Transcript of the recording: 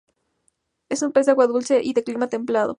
Es un pez de Agua dulce y de clima templado.